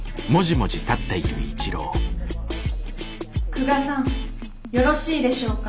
・久我さんよろしいでしょうか？